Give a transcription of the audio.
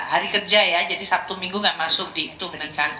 hari kerja ya jadi sabtu minggu nggak masuk di itu bener kan